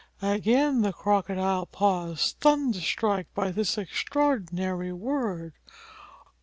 Again the Crocodile paused, thunderstruck by this extraordinary word.